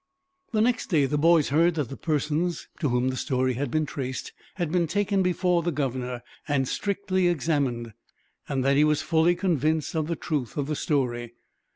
The next day, the boys heard that the persons to whom the story had been traced had been taken before the governor, and strictly examined, and that he was fully convinced of the truth of the story.